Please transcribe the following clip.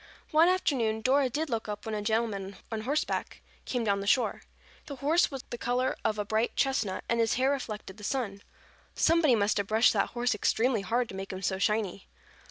One afternoon Dora did look up when a gentleman on horseback came down the shore. The horse was the color of a bright chestnut and his hair reflected the sun. Somebody must have brushed that horse extremely hard to make him so shiny.